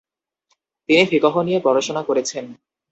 তিনি ফিকহ নিয়ে পড়াশোনা করেছেন।